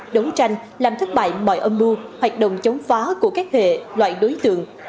đấu tranh làm thất bại mọi âm mưu hoạt động chống phá của các hệ loại đối tượng